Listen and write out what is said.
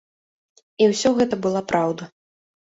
І ўсё гэта была праўда.